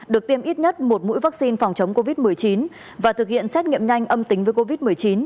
được tiêm ít nhất một mũi vaccine phòng chống covid một mươi chín và thực hiện xét nghiệm nhanh âm tính với covid một mươi chín